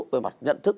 về mặt nhận thức